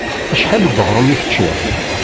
Acḥal n uɣrum i teččiḍ?